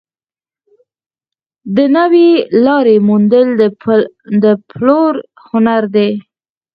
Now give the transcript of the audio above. د نوې لارې موندل د پلور هنر دی.